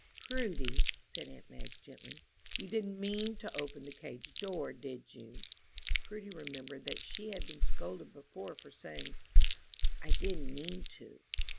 "Prudy," said aunt Madge, gently, "you didn't mean to open the cage door, did you?" Prudy remembered that she had been scolded before for saying "I didn't mean to."